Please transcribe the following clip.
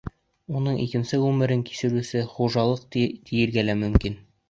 Уны икенсе ғүмерен кисереүсе хужалыҡ тиергә лә мөмкин.